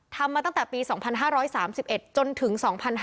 ทำมาตั้งแต่ปี๒๕๓๑จนถึง๒๕๕๙